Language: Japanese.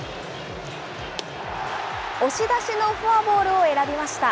押し出しのフォアボールを選びました。